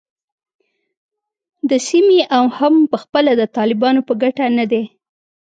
د سیمې او هم پخپله د طالبانو په ګټه نه دی